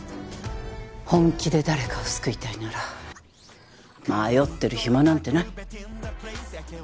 本気で誰かを救いたいなら迷ってる暇なんてない。